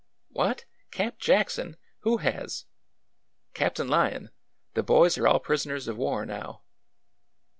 ''What! Camp Jackson? Who has?" " Captain Lyon. The boys are all prisoners war now."